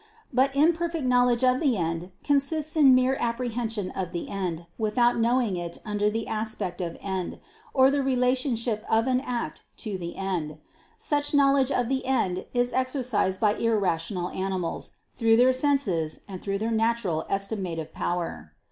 But imperfect knowledge of the end consists in mere apprehension of the end, without knowing it under the aspect of end, or the relationship of an act to the end. Such knowledge of the end is exercised by irrational animals, through their senses and their natural estimative power.